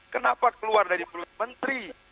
kenapa keluar dari menteri